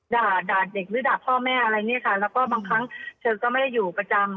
ด่าด่าเด็กหรือด่าพ่อแม่อะไรอย่างนี้ค่ะแล้วก็บางครั้งเธอก็ไม่ได้อยู่ประจำ